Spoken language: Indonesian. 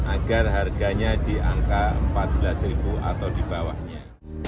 agar harganya di angka rp empat belas atau di bawahnya